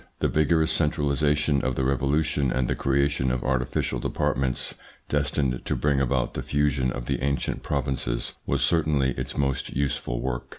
The vigorous centralisation of the Revolution and the creation of artificial departments destined to bring about the fusion of the ancient provinces was certainly its most useful work.